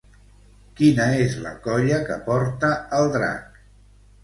Quina és la colla que porta el drac?